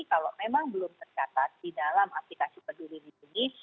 kalau memang belum tercatat di dalam aplikasi peduli lindungi